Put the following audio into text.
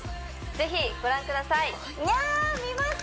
ぜひご覧ください！や見ます！